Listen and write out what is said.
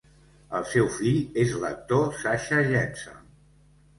El seu fill és l'actor Sasha Jenson.